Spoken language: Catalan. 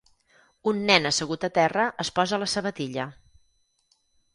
Un nen assegut a terra es posa la sabatilla.